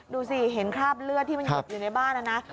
ดูสิเห็นคราบเลือดที่มันหยดอยู่ในบ้านนะนะ